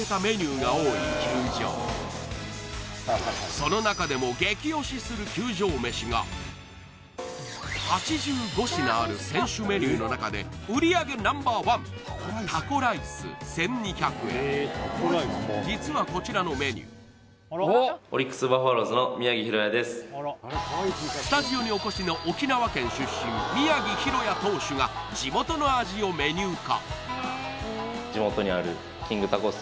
その中でも激オシする球場飯が８５品ある選手メニューの中で売り上げＮｏ．１スタジオにお越しの沖縄県出身宮城大弥投手が地元の味をメニュー化